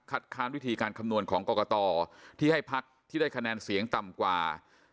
ค้านวิธีการคำนวณของกรกตที่ให้พักที่ได้คะแนนเสียงต่ำกว่า